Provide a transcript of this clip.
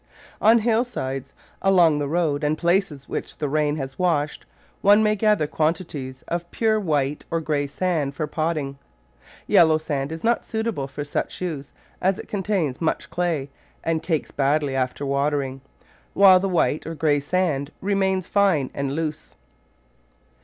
On hillsides along the road, and places which the rain has washed, one may gather quantities of pure white or grey sand for potting. Yellow sand is not suitable for such use, as it contains much clay and cakes badly after watering, while the white or grey sand remains fine and loose.